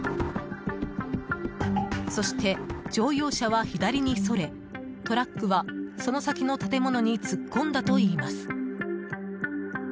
そして、乗用車は左にそれトラックはその先の建物に突っ込んだといいます。